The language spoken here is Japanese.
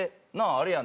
あれやんな？」